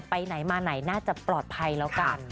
ไปไหนมาไหนน่าจะปลอดภัยแล้วกัน